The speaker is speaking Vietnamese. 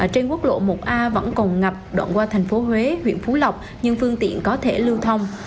trên quốc lộ một a vẫn còn ngập đoạn qua thành phố huế huyện phú lộc nhưng phương tiện có thể lưu thông